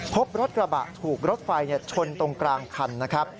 พบรถกระบะถูกรถไฟชนตรงกลางคันนะครับ